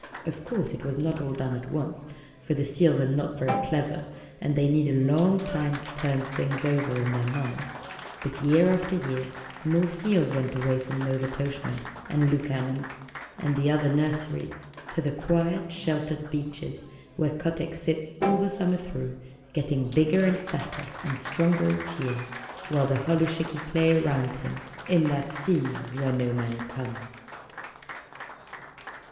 Of course it was not all done at once, for the seals are not very clever, and they need a long time to turn things over in their minds, but year after year more seals went away from Novastoshnah, and Lukannon, and the other nurseries, to the quiet, sheltered beaches where Kotick sits all the summer through, getting bigger and fatter and stronger each year, while the holluschickie play around him, in that sea where no man comes.